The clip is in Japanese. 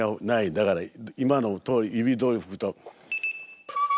だから今の音指どおり吹くと。